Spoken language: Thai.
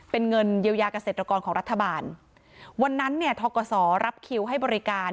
เป็นเงินเยียวยาเกษตรกรของรัฐบาลวันนั้นเนี่ยทกศรับคิวให้บริการ